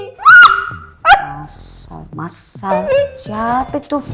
masal masal siapa itu